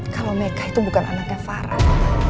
kalau mereka itu bukan anaknya farah